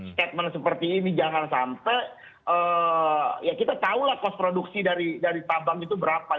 statement seperti ini jangan sampai ya kita tahulah kos produksi dari tabang itu berapa